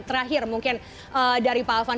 terakhir mungkin dari pak alfan